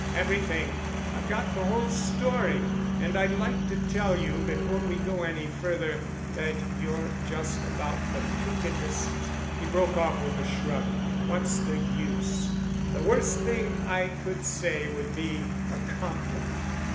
"Everything. I've got the whole story. And I'd like to tell you before we go any further that you're just about the crookedest——" He broke off with a shrug. "What's the use? The worst thing I could say would be a compliment.